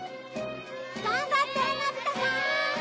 頑張ってのび太さん！